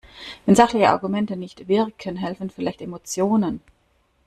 Wenn sachliche Argumente nicht wirken, helfen vielleicht Emotionen.